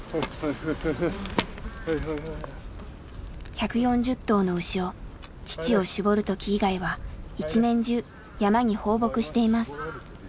１４０頭の牛を乳を搾る時以外は一年中山に放牧しています。